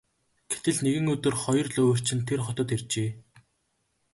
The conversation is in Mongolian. Гэтэл нэгэн өдөр хоёр луйварчин тэр хотод иржээ.